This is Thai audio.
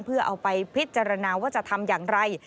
เพื่อเอาไปพิจารณาว่าจะทำอย่างไร